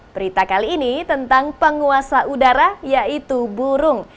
berita kali ini tentang penguasa udara yaitu burung